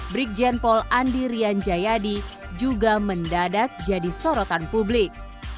brigjen paul andirian jayadi juga mendadak jadi sorotan publik